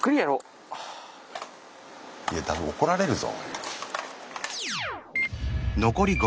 いや多分怒られるぞ。